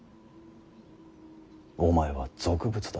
お前は俗物だ。